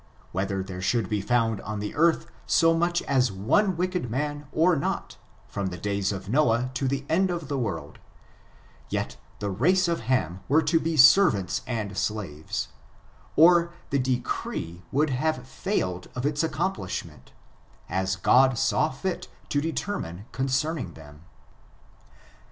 319 whether there should be found oa the earth so much as one wicked man or not, from the days of Noah to the end of the world ; yet the race of Ham were to oe servants and slaves, or the decree would have fail ed of its accomplishment, as God saw fit to determine concerning them.